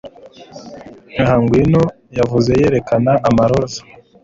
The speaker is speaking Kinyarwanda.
Ah Ngwino yavuze yerekana amaroza